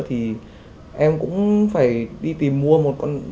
thì em cũng phải đi tìm mua một con